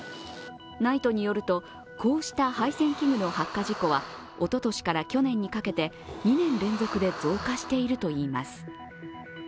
ＮＩＴＥによると、こうした配線器具の発火事故はおととしから去年にかけて２年連続で増加しているといいます